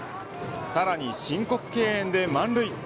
さらに申告敬遠で満塁。